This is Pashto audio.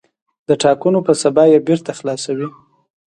د ټاکنو په سبا یې بېرته خلاصوي.